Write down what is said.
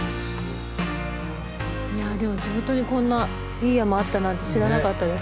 いやでも地元にこんないい山あったなんて知らなかったです。